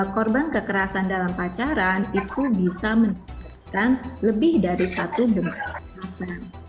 korban kekerasan dalam pacaran itu bisa menyebabkan lebih dari satu bentuk kekerasan